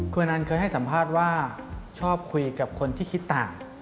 คุณอนันต์เคยให้สัมภาษณ์ว่าชอบคุยกับคนที่คิดต่าง